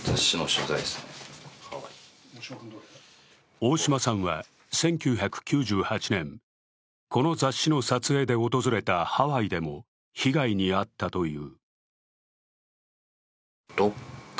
大島さんは１９９８年、この雑誌の撮影で訪れたハワイでも被害に遭ったという。